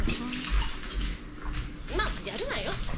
うまくやるわよ。